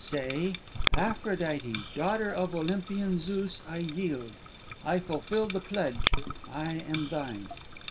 "Say, 'Aphrodite, daughter of Olympian Zeus, I yield; I fulfil the pledge; I am thine!'"